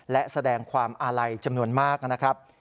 และแสดงความอาลัยจำนวนมากนะครับ